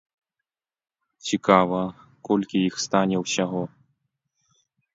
Цікава, колькі іх стане ўсяго?